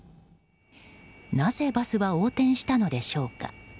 なぜバスは横転したのでしょうか。